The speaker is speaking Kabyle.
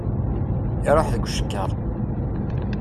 Iṛuḥ deg ucekkaṛ!